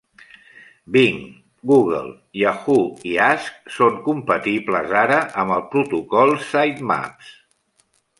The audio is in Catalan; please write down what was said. Bing, Google, Yahoo i Ask són compatibles ara amb el protocol Sitemaps.